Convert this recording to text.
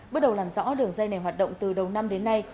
bước đầu làm rõ đường dây này hoạt động từ đầu năm đến nay